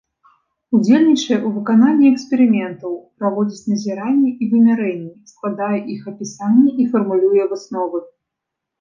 Удзельнічае ў выкананні эксперыментаў, праводзіць назіранні і вымярэнні, складае іх апісанне і фармулюе высновы.